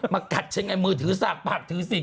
มากัดฉะนั้นมือถือสากปากถือสิง